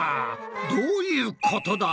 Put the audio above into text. どういうことだ？